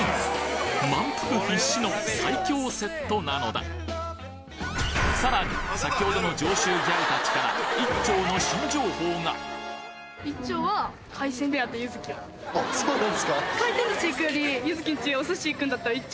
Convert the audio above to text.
満腹必至の最強セットなのださらに先ほどの上州ギャル達からあそうなんですか。